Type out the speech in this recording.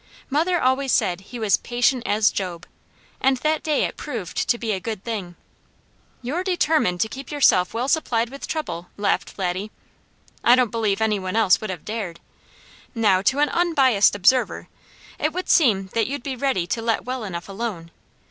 Mother always said he was "patient as Job," and that day it proved to be a good thing. "You're determined to keep yourself well supplied with trouble," laughed Laddie. I don't believe any one else would have dared. "Now to an unbiased observer, it would seem that you'd be ready to let well enough alone.